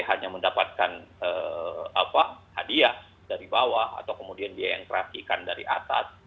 hanya mendapatkan hadiah dari bawah atau kemudian dia yang kerasikan dari atas